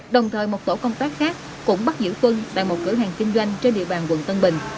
đồng thời một tổ công tác khác cũng bắt giữ tuân tại một cửa hàng kinh doanh trên địa bàn quận tân bình